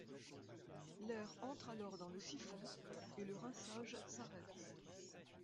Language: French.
L'air entre alors dans le siphon et le rinçage s'arrête.